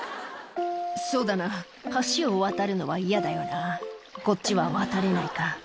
「そうだな橋を渡るのは嫌だよなこっちは渡れないか」